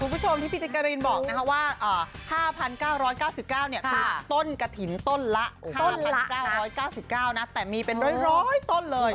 คุณผู้ชมที่พิจารณีบอกนะคะว่า๕๙๙๙เนี่ยคือต้นกฐินต้นละ๕๙๙๙นะแต่มีเป็นโดย๑๐๐ต้นเลย